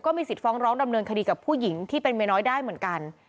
มีสิทธิฟ้องร้องดำเนินคดีกับผู้หญิงที่เป็นเมียน้อยได้เหมือนกัน